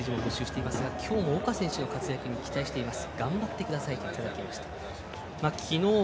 メッセージ「今日も岡選手の活躍に期待しています！！